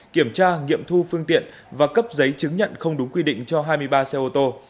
kiểm tra nghiệm thu phương tiện và cấp giấy chứng nhận không đúng quy định cho hai mươi ba xe ô tô